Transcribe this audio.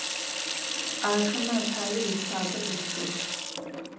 Axeme apaê vusabe ıtxığ.